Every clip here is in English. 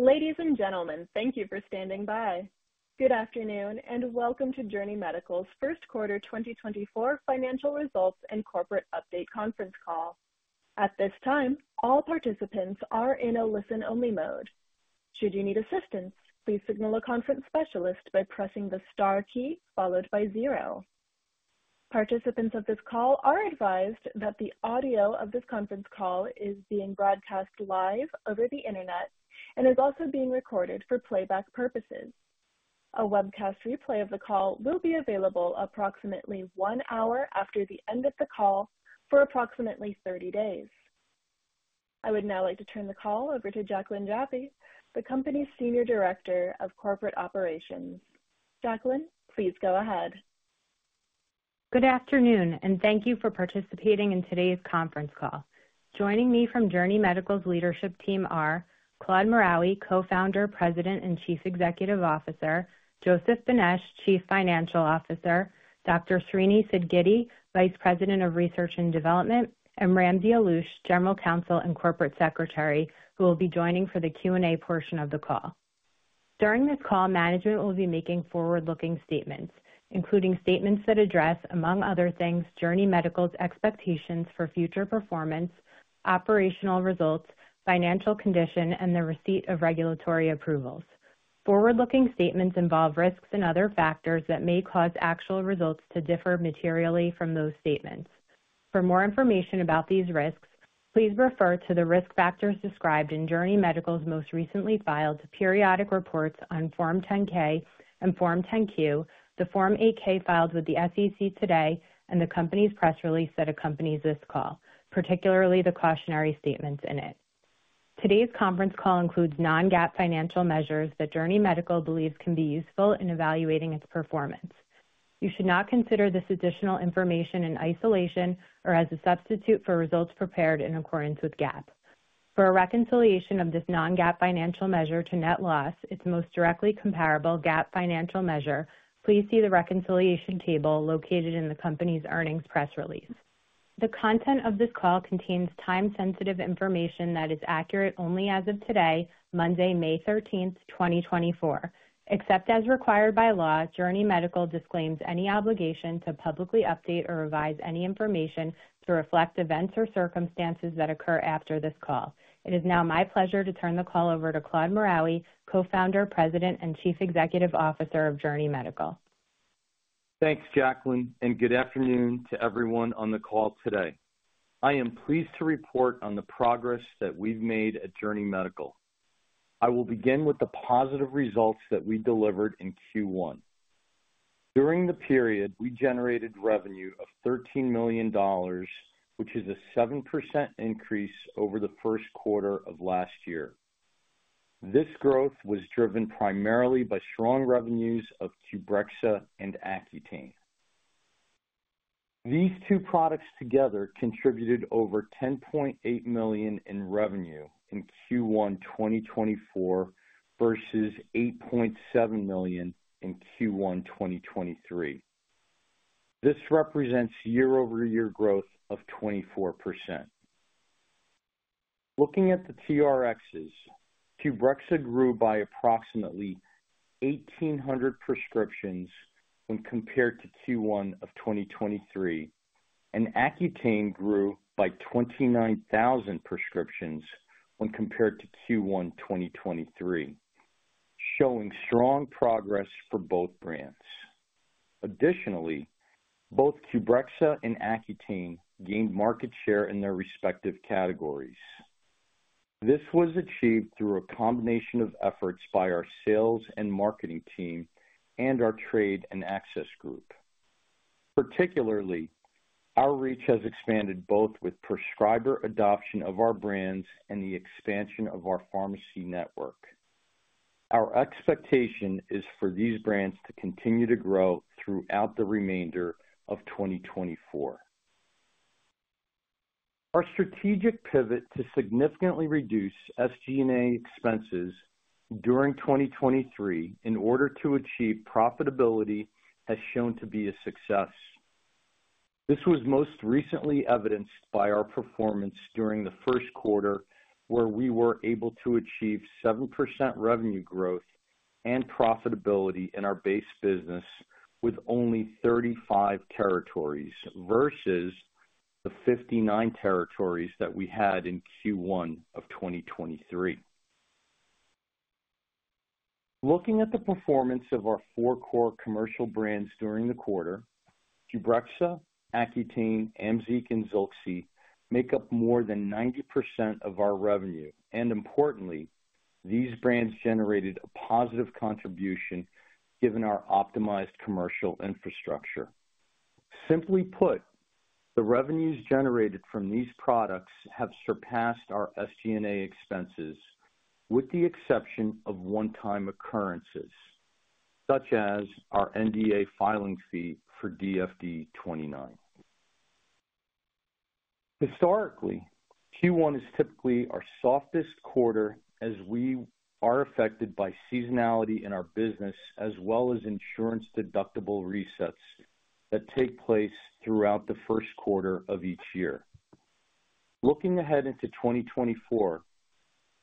Ladies and gentlemen, thank you for standing by. Good afternoon, and welcome to Journey Medical's First Quarter 2024 Financial Results and Corporate Update Conference Call. At this time, all participants are in a listen-only mode. Should you need assistance, please signal a conference specialist by pressing the star key followed by zero. Participants of this call are advised that the audio of this conference call is being broadcast live over the Internet and is also being recorded for playback purposes. A webcast replay of the call will be available approximately one hour after the end of the call for approximately 30 days. I would now like to turn the call over to Jaclyn Jaffe, the company's Senior Director of Corporate Operations. Jaclyn, please go ahead. Good afternoon, and thank you for participating in today's conference call. Joining me from Journey Medical's leadership team are Claude Maraoui, Co-founder, President, and Chief Executive Officer, Joseph Benesch, Chief Financial Officer, Dr. Srini Sidgiddi, Vice President of Research and Development, and Ramsey Alloush, General Counsel and Corporate Secretary, who will be joining for the Q&A portion of the call. During this call, management will be making forward-looking statements, including statements that address, among other things, Journey Medical's expectations for future performance, operational results, financial condition, and the receipt of regulatory approvals. Forward-looking statements involve risks and other factors that may cause actual results to differ materially from those statements. For more information about these risks, please refer to the risk factors described in Journey Medical's most recently filed periodic reports on Form 10-K and Form 10-Q, the Form 8-K filed with the SEC today, and the company's press release that accompanies this call, particularly the cautionary statements in it. Today's conference call includes non-GAAP financial measures that Journey Medical believes can be useful in evaluating its performance. You should not consider this additional information in isolation or as a substitute for results prepared in accordance with GAAP. For a reconciliation of this non-GAAP financial measure to net loss, its most directly comparable GAAP financial measure, please see the reconciliation table located in the company's earnings press release. The content of this call contains time-sensitive information that is accurate only as of today, Monday, May 13, 2024. Except as required by law, Journey Medical disclaims any obligation to publicly update or revise any information to reflect events or circumstances that occur after this call. It is now my pleasure to turn the call over to Claude Maraoui, Co-founder, President, and Chief Executive Officer of Journey Medical. Thanks, Jaclyn, and good afternoon to everyone on the call today. I am pleased to report on the progress that we've made at Journey Medical. I will begin with the positive results that we delivered in Q1. During the period, we generated revenue of $13 million, which is a 7% increase over the first quarter of last year. This growth was driven primarily by strong revenues of Qbrexza and Accutane. These two products together contributed over $10.8 million in revenue in Q1 2024 versus $8.7 million in Q1 2023. This represents year-over-year growth of 24%. Looking at the TRx, Qbrexza grew by approximately 1,800 prescriptions when compared to Q1 of 2023, and Accutane grew by 29,000 prescriptions when compared to Q1 2023, showing strong progress for both brands. Additionally, both Qbrexza and Accutane gained market share in their respective categories. This was achieved through a combination of efforts by our sales and marketing team and our Trade and Access Group. Particularly, our reach has expanded both with prescriber adoption of our brands and the expansion of our pharmacy network. Our expectation is for these brands to continue to grow throughout the remainder of 2024. Our strategic pivot to significantly reduce SG&A expenses during 2023 in order to achieve profitability has shown to be a success. This was most recently evidenced by our performance during the first quarter, where we were able to achieve 7% revenue growth and profitability in our base business with only 35 territories versus the 59 territories that we had in Q1 of 2023. Looking at the performance of our four core commercial brands during the quarter, Qbrexza, Accutane, Amzeeq and Zilxi make up more than 90% of our revenue, and importantly, these brands generated a positive contribution given our optimized commercial infrastructure. Simply put, the revenues generated from these products have surpassed our SG&A expenses, with the exception of one-time occurrences, such as our NDA filing fee for DFD-29. Historically, Q1 is typically our softest quarter as we are affected by seasonality in our business as well as insurance deductible resets that take place throughout the first quarter of each year. Looking ahead into 2024,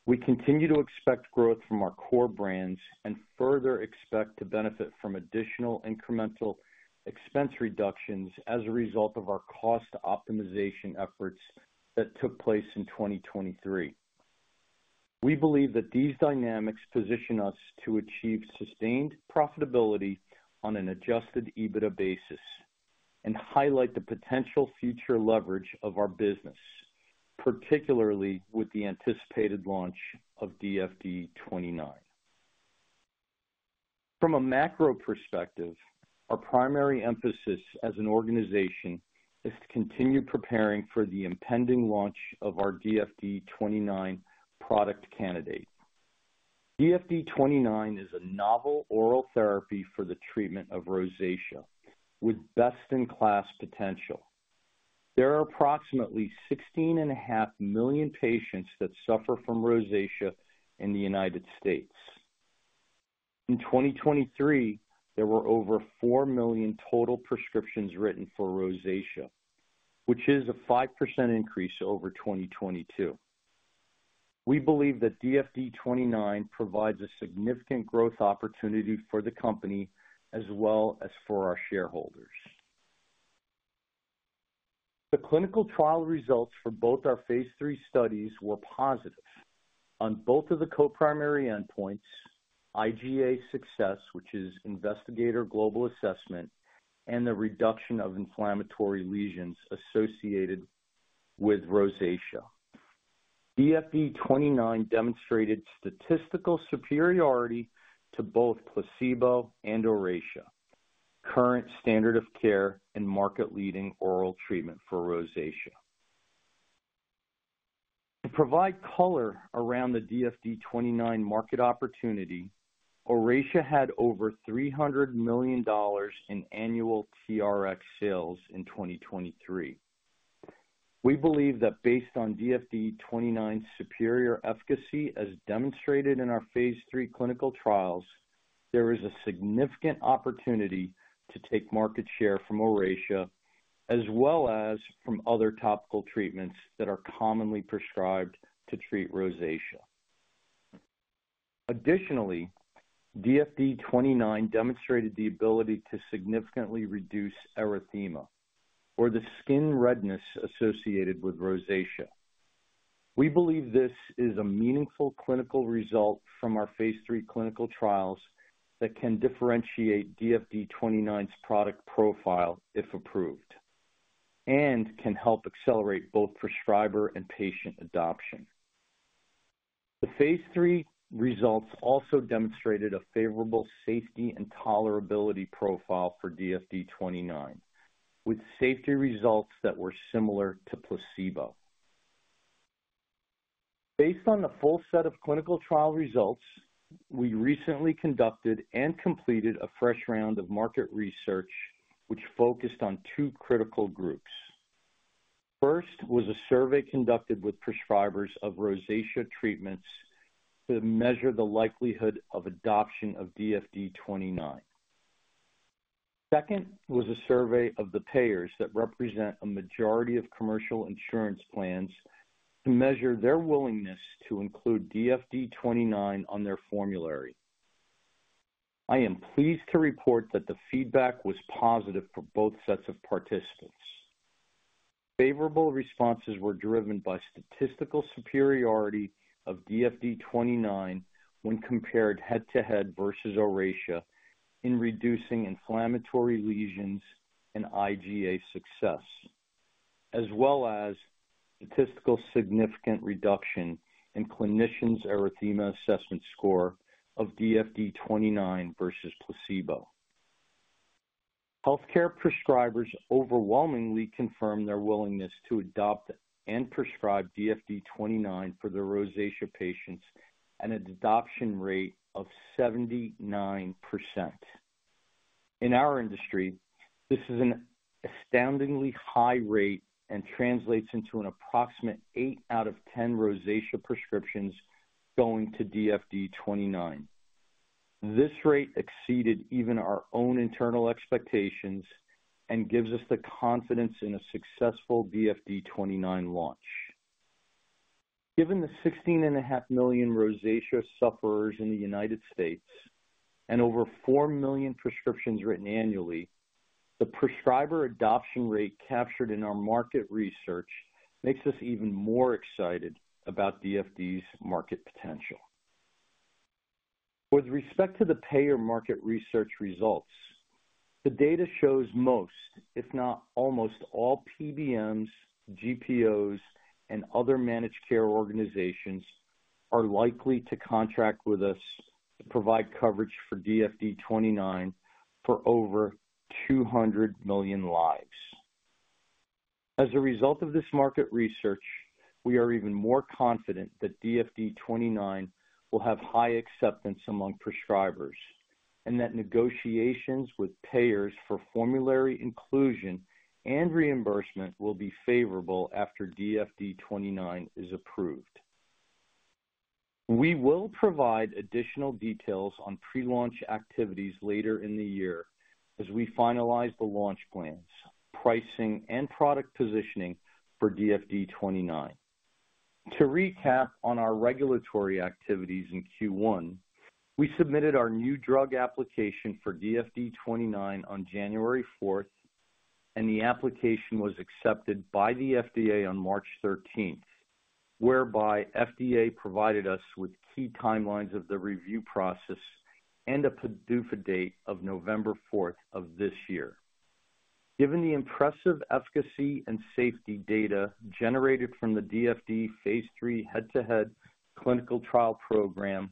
we continue to expect growth from our core brands and further expect to benefit from additional incremental expense reductions as a result of our cost optimization efforts that took place in 2023. We believe that these dynamics position us to achieve sustained profitability on an Adjusted EBITDA basis and highlight the potential future leverage of our business, particularly with the anticipated launch of DFD-29. From a macro perspective, our primary emphasis as an organization is to continue preparing for the impending launch of our DFD-29 product candidate. DFD-29 is a novel oral therapy for the treatment of rosacea, with best-in-class potential. There are approximately 16.5 million patients that suffer from rosacea in the United States. In 2023, there were over 4 million total prescriptions written for rosacea, which is a 5% increase over 2022. We believe that DFD-29 provides a significant growth opportunity for the company as well as for our shareholders. The clinical trial results for both our phase III studies were positive. On both of the co-primary endpoints, IGA success, which is Investigator Global Assessment, and the reduction of inflammatory lesions associated with rosacea, DFD-29 demonstrated statistical superiority to both placebo and Oracea, current standard of care and market-leading oral treatment for rosacea. To provide color around the DFD-29 market opportunity, Oracea had over $300 million in annual TRx sales in 2023. We believe that based on DFD-29's superior efficacy, as demonstrated in our phase III clinical trials, there is a significant opportunity to take market share from Oracea, as well as from other topical treatments that are commonly prescribed to treat rosacea. Additionally, DFD-29 demonstrated the ability to significantly reduce erythema or the skin redness associated with rosacea. We believe this is a meaningful clinical result from our phase III clinical trials that can differentiate DFD-29's product profile, if approved, and can help accelerate both prescriber and patient adoption. The phase III results also demonstrated a favorable safety and tolerability profile for DFD-29, with safety results that were similar to placebo. Based on the full set of clinical trial results, we recently conducted and completed a fresh round of market research, which focused on two critical groups. First, was a survey conducted with prescribers of rosacea treatments to measure the likelihood of adoption of DFD-29. Second, was a survey of the payers that represent a majority of commercial insurance plans to measure their willingness to include DFD-29 on their formulary. I am pleased to report that the feedback was positive for both sets of participants. Favorable responses were driven by statistical superiority of DFD-29 when compared head-to-head versus Oracea in reducing inflammatory lesions and IGA success, as well as statistically significant reduction in Clinician's Erythema Assessment score of DFD-29 versus placebo. Healthcare prescribers overwhelmingly confirmed their willingness to adopt and prescribe DFD-29 for their rosacea patients at an adoption rate of 79%. In our industry, this is an astoundingly high rate and translates into an approximate 8 out of 10 rosacea prescriptions going to DFD-29. This rate exceeded even our own internal expectations and gives us the confidence in a successful DFD-29 launch. Given the 16.5 million rosacea sufferers in the United States and over 4 million prescriptions written annually, the prescriber adoption rate captured in our market research makes us even more excited about DFD's market potential. With respect to the payer market research results, the data shows most, if not almost all PBMs, GPOs, and other managed care organizations, are likely to contract with us to provide coverage for DFD-29 for over 200 million lives. As a result of this market research, we are even more confident that DFD-29 will have high acceptance among prescribers, and that negotiations with payers for formulary inclusion and reimbursement will be favorable after DFD-29 is approved. We will provide additional details on pre-launch activities later in the year as we finalize the launch plans, pricing, and product positioning for DFD-29. To recap on our regulatory activities in Q1, we submitted our new drug application for DFD-29 on January 4, and the application was accepted by the FDA on March 13, whereby FDA provided us with key timelines of the review process and a PDUFA date of November 4 of this year. Given the impressive efficacy and safety data generated from the DFD phase III head-to-head clinical trial program,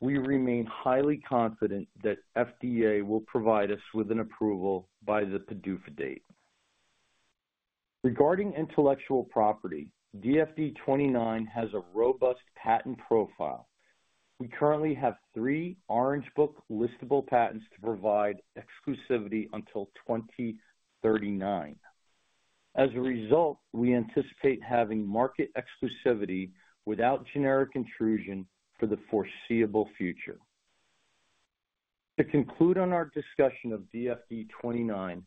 we remain highly confident that FDA will provide us with an approval by the PDUFA date. Regarding intellectual property, DFD-29 has a robust patent profile. We currently have three Orange Book listable patents to provide exclusivity until 2039. As a result, we anticipate having market exclusivity without generic intrusion for the foreseeable future. To conclude on our discussion of DFD-29,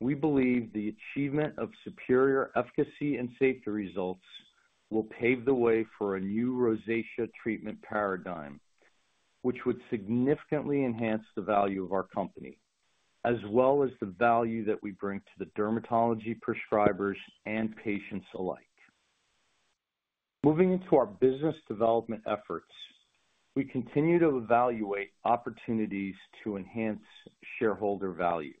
we believe the achievement of superior efficacy and safety results will pave the way for a new rosacea treatment paradigm, which would significantly enhance the value of our company, as well as the value that we bring to the dermatology prescribers and patients alike. Moving into our business development efforts, we continue to evaluate opportunities to enhance shareholder value.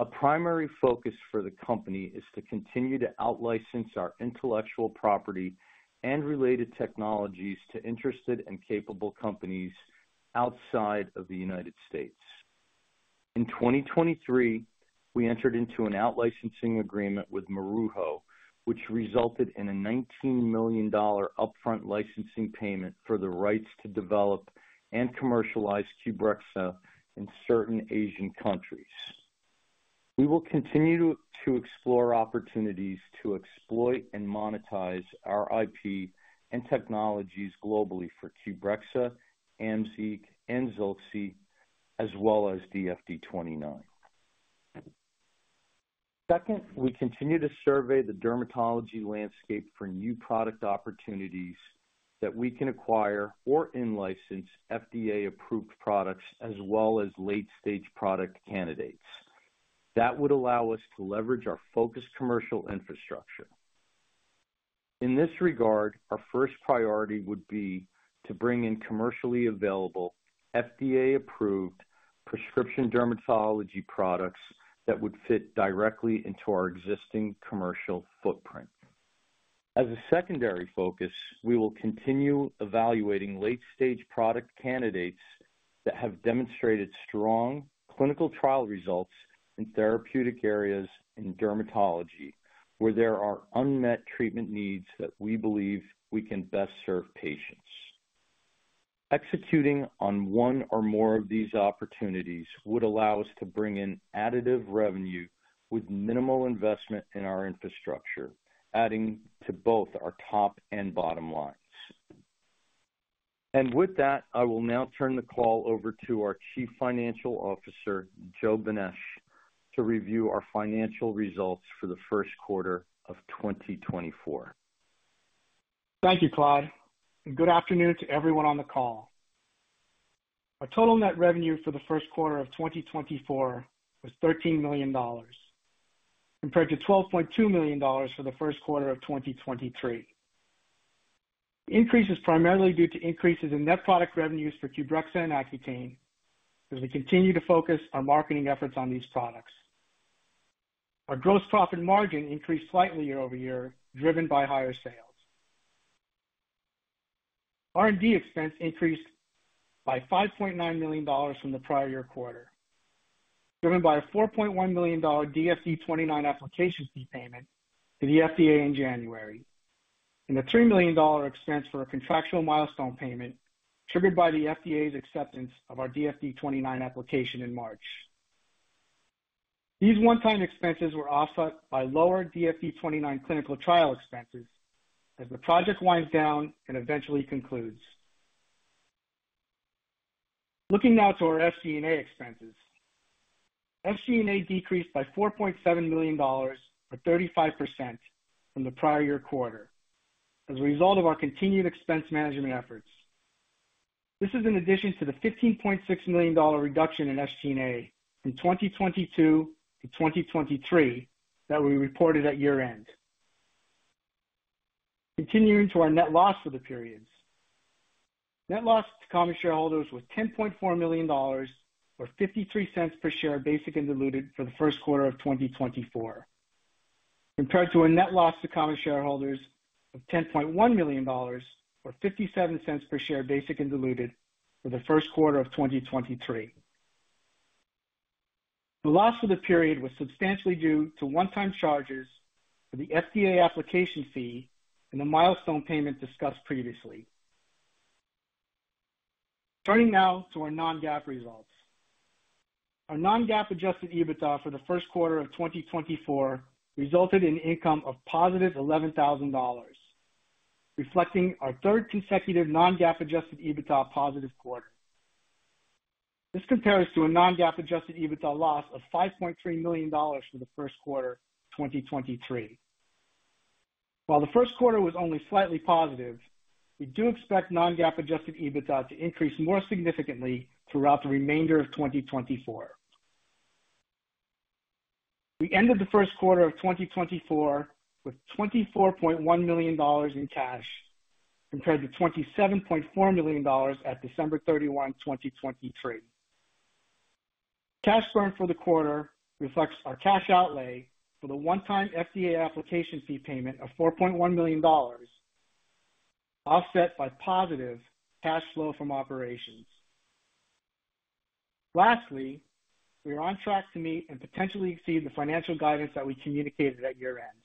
A primary focus for the company is to continue to out-license our intellectual property and related technologies to interested and capable companies outside of the United States. In 2023, we entered into an out-licensing agreement with Maruho, which resulted in a $19 million upfront licensing payment for the rights to develop and commercialize Qbrexza in certain Asian countries. We will continue to explore opportunities to exploit and monetize our IP and technologies globally for Qbrexza, Amzeeq, and Zilxi, as well as DFD-29. Second, we continue to survey the dermatology landscape for new product opportunities that we can acquire or in-license FDA-approved products, as well as late-stage product candidates. That would allow us to leverage our focused commercial infrastructure. In this regard, our first priority would be to bring in commercially available, FDA-approved prescription dermatology products that would fit directly into our existing commercial footprint. As a secondary focus, we will continue evaluating late-stage product candidates that have demonstrated strong clinical trial results in therapeutic areas in dermatology, where there are unmet treatment needs that we believe we can best serve patients. Executing on one or more of these opportunities would allow us to bring in additive revenue with minimal investment in our infrastructure, adding to both our top and bottom lines. With that, I will now turn the call over to our Chief Financial Officer, Joe Benesch, to review our financial results for the first quarter of 2024. Thank you, Claude, and good afternoon to everyone on the call. Our total net revenue for the first quarter of 2024 was $13 million, compared to $12.2 million for the first quarter of 2023. Increase is primarily due to increases in net product revenues for Qbrexza and Accutane, as we continue to focus our marketing efforts on these products. Our gross profit margin increased slightly year-over-year, driven by higher sales. R&D expense increased by $5.9 million from the prior year quarter, driven by a $4.1 million DFD-29 application fee payment to the FDA in January, and a $3 million expense for a contractual milestone payment triggered by the FDA's acceptance of our DFD-29 application in March. These one-time expenses were offset by lower DFD-29 clinical trial expenses as the project winds down and eventually concludes. Looking now to our SG&A expenses. SG&A decreased by $4.7 million, or 35% from the prior-year quarter, as a result of our continued expense management efforts. This is in addition to the $15.6 million reduction in SG&A from 2022 to 2023 that we reported at year-end. Continuing to our net loss for the periods. Net loss to common shareholders was $10.4 million, or $0.53 per share, basic and diluted for the first quarter of 2024, compared to a net loss to common shareholders of $10.1 million, or $0.57 per share, basic and diluted for the first quarter of 2023. The loss for the period was substantially due to one-time charges for the FDA application fee and the milestone payment discussed previously.... Turning now to our non-GAAP results. Our non-GAAP adjusted EBITDA for the first quarter of 2024 resulted in income of positive $11,000, reflecting our third consecutive non-GAAP adjusted EBITDA positive quarter. This compares to a non-GAAP adjusted EBITDA loss of $5.3 million for the first quarter of 2023. While the first quarter was only slightly positive, we do expect non-GAAP adjusted EBITDA to increase more significantly throughout the remainder of 2024. We ended the first quarter of 2024 with $24.1 million in cash, compared to $27.4 million at December 31, 2023. Cash burn for the quarter reflects our cash outlay for the one-time FDA application fee payment of $4.1 million, offset by positive cash flow from operations. Lastly, we are on track to meet and potentially exceed the financial guidance that we communicated at year-end,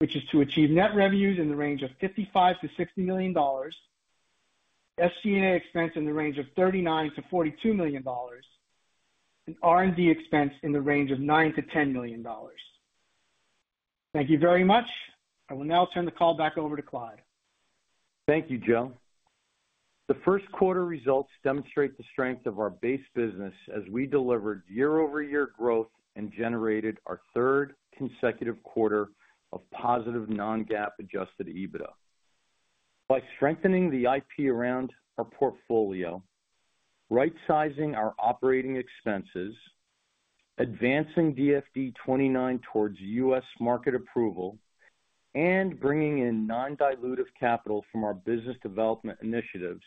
which is to achieve net revenues in the range of $55 million-$60 million, SG&A expense in the range of $39 million-$42 million, and R&D expense in the range of $9 million-$10 million. Thank you very much. I will now turn the call back over to Claude. Thank you, Joe. The first quarter results demonstrate the strength of our base business as we delivered year-over-year growth and generated our third consecutive quarter of positive non-GAAP adjusted EBITDA. By strengthening the IP around our portfolio, rightsizing our operating expenses, advancing DFD-29 towards U.S. market approval, and bringing in non-dilutive capital from our business development initiatives,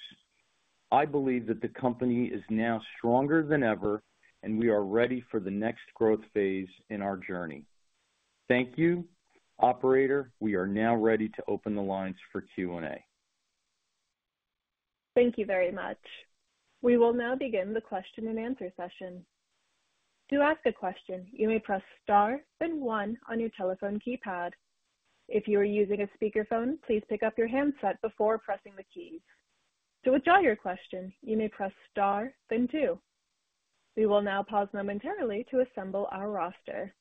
I believe that the company is now stronger than ever, and we are ready for the next growth phase in our journey. Thank you. Operator, we are now ready to open the lines for Q&A. Thank you very much. We will now begin the question-and-answer session. To ask a question, you may press Star then one on your telephone keypad. If you are using a speakerphone, please pick up your handset before pressing the keys. To withdraw your question, you may press Star, then two. We will now pause momentarily to assemble our roster.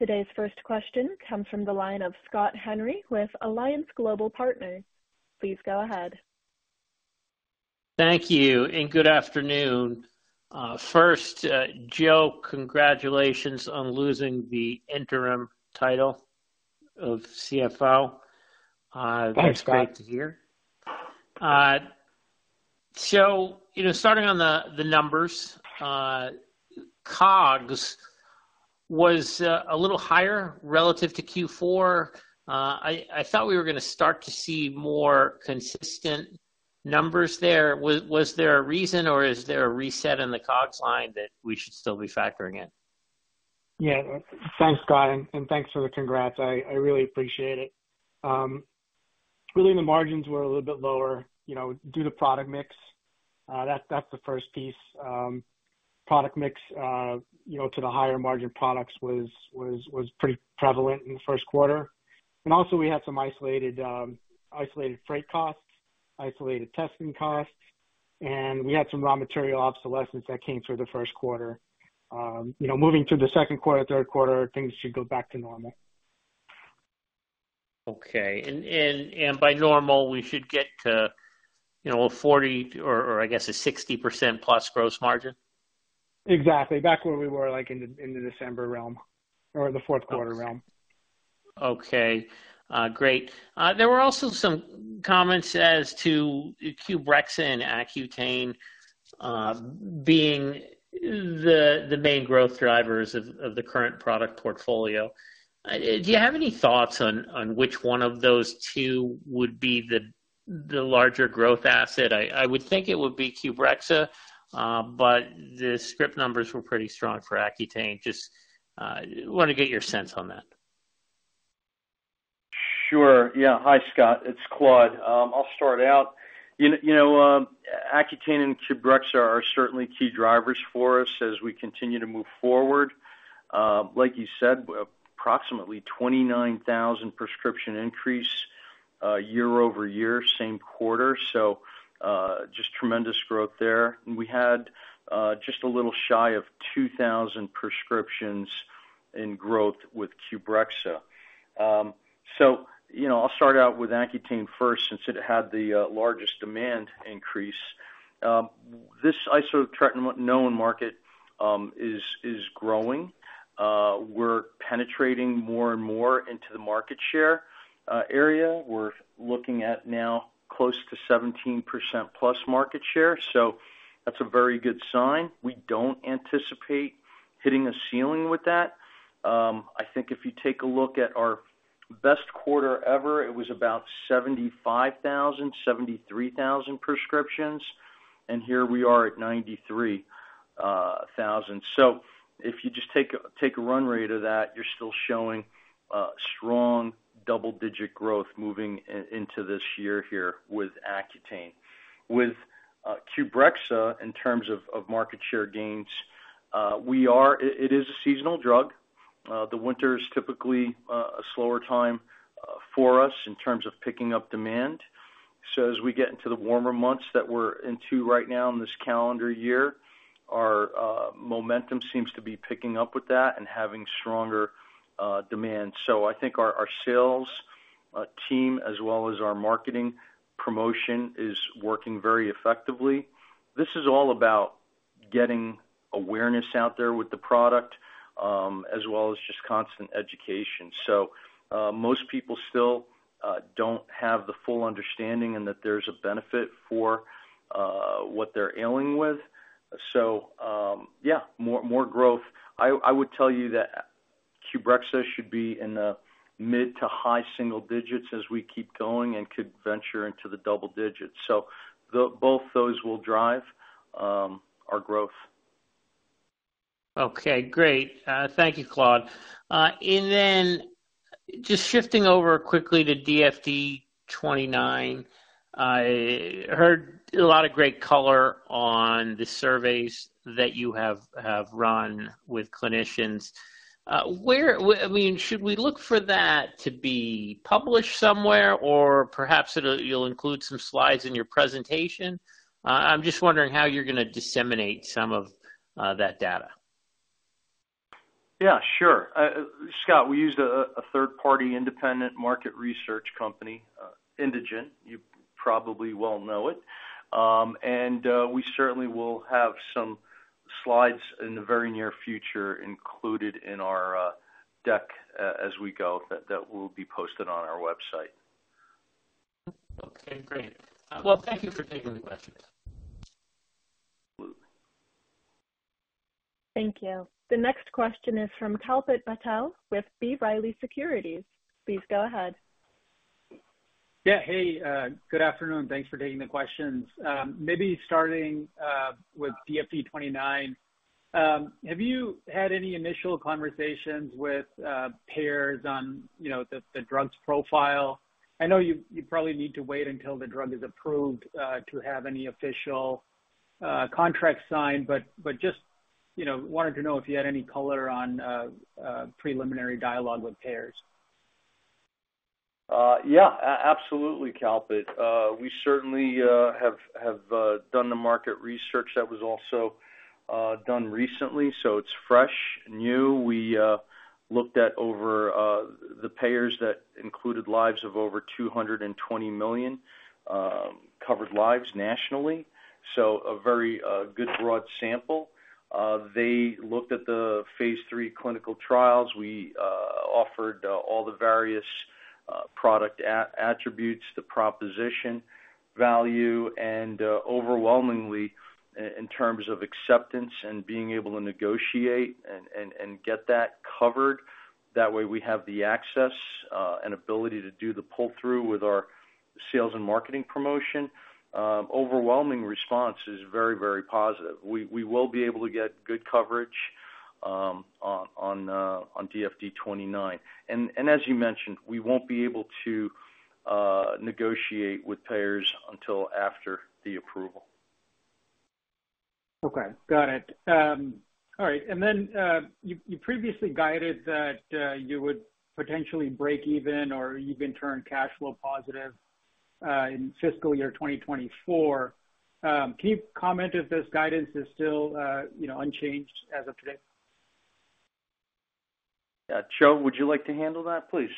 Today's first question comes from the line of Scott Henry with Alliance Global Partners. Please go ahead. Thank you, and good afternoon. First, Joe, congratulations on losing the interim title of CFO. Thanks, Scott. That's great to hear. So, you know, starting on the numbers, COGS was a little higher relative to Q4. I thought we were going to start to see more consistent numbers there. Was there a reason, or is there a reset in the COGS line that we should still be factoring in? Yeah. Thanks, Scott, and thanks for the congrats. I really appreciate it. Really, the margins were a little bit lower, you know, due to product mix. That's the first piece. Product mix, you know, to the higher margin products was pretty prevalent in the first quarter. And also, we had some isolated, isolated freight costs, isolated testing costs, and we had some raw material obsolescence that came through the first quarter. You know, moving through the second quarter, third quarter, things should go back to normal. Okay. And by normal, we should get to, you know, a 40, or I guess, a 60% plus gross margin? Exactly. Back where we were, like, in the December realm or the fourth quarter realm. Okay, great. There were also some comments as to Qbrexza and Accutane being the main growth drivers of the current product portfolio. Do you have any thoughts on which one of those two would be the larger growth asset? I would think it would be Qbrexza, but the script numbers were pretty strong for Accutane. Just want to get your sense on that. Sure. Yeah. Hi, Scott. It's Claude. I'll start out. You know, you know, Accutane and Qbrexza are certainly key drivers for us as we continue to move forward. Like you said, approximately 29,000 prescription increase, year-over-year, same quarter, so, just tremendous growth there. And we had, just a little shy of 2,000 prescriptions in growth with Qbrexza. So, you know, I'll start out with Accutane first, since it had the largest demand increase. This isotretinoin market is growing. We're penetrating more and more into the market share area. We're looking at now close to 17%+ market share, so that's a very good sign. We don't anticipate hitting a ceiling with that. I think if you take a look at our best quarter ever, it was about 75,000, 73,000 prescriptions, and here we are at 93,000. So if you just take a run rate of that, you're still showing strong double-digit growth moving into this year here with Accutane. Qbrexza in terms of market share gains, it is a seasonal drug. The winter is typically a slower time for us in terms of picking up demand. So as we get into the warmer months that we're into right now in this calendar year, our momentum seems to be picking up with that and having stronger demand. So I think our sales team, as well as our marketing promotion, is working very effectively. This is all about getting awareness out there with the product, as well as just constant education. So, most people still don't have the full understanding and that there's a benefit for what they're ailing with. So, yeah, more growth. I would tell you that Qbrexza should be in the mid to high single digits as we keep going and could venture into the double digits. So both those will drive our growth. Okay, great. Thank you, Claude. And then just shifting over quickly to DFD-29. I heard a lot of great color on the surveys that you have run with clinicians. I mean, should we look for that to be published somewhere, or perhaps it'll. You'll include some slides in your presentation? I'm just wondering how you're gonna disseminate some of that data. Yeah, sure. Scott, we used a third-party independent market research company, Indegene. You probably know it well. We certainly will have some slides in the very near future included in our deck, as we go, that will be posted on our website. Okay, great. Well, thank you for taking the questions. Absolutely. Thank you. The next question is from Kalpit Patel with B. Riley Securities. Please go ahead. Yeah. Hey, good afternoon. Thanks for taking the questions. Maybe starting with DFD-29. Have you had any initial conversations with payers on, you know, the, the drug's profile? I know you, you probably need to wait until the drug is approved to have any official contract signed, but, but just, you know, wanted to know if you had any color on preliminary dialogue with payers. Yeah, absolutely, Kalpit. We certainly have done the market research that was also done recently, so it's fresh and new. We looked at over the payers that included lives of over 220 million covered lives nationally, so a very good broad sample. They looked at the phase III clinical trials. We offered all the various product attributes, the proposition value, and overwhelmingly in terms of acceptance and being able to negotiate and get that covered. That way, we have the access and ability to do the pull-through with our sales and marketing promotion. Overwhelming response is very, very positive. We will be able to get good coverage on DFD-29. As you mentioned, we won't be able to negotiate with payers until after the approval. Okay, got it. All right, and then, you, you previously guided that, you would potentially break even, or you've been turned cash flow positive, in fiscal year 2024. Can you comment if this guidance is still, you know, unchanged as of today? Yeah. Joe, would you like to handle that, please?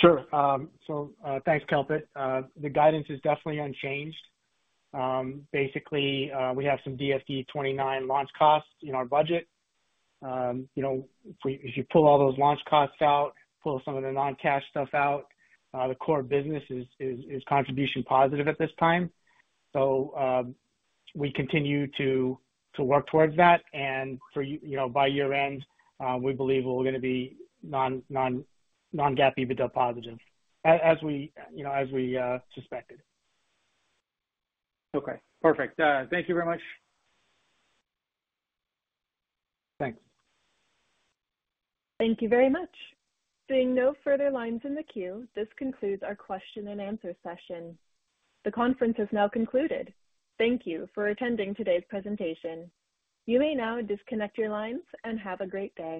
Sure. So, thanks, Kalpit. The guidance is definitely unchanged. Basically, we have some DFD-29 launch costs in our budget. You know, if we—if you pull all those launch costs out, pull some of the non-cash stuff out, the core business is contribution positive at this time. So, we continue to work towards that, and for you know, by year-end, we believe we're gonna be non-GAAP EBITDA positive, as we, you know, as we suspected. Okay, perfect. Thank you very much. Thanks. Thank you very much. Seeing no further lines in the queue, this concludes our question and answer session. The conference has now concluded. Thank you for attending today's presentation. You may now disconnect your lines, and have a great day.